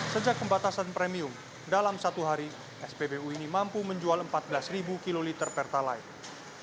sejak pembatasan premium dalam satu hari spbu ini mampu menjual empat belas kiloliter pertalite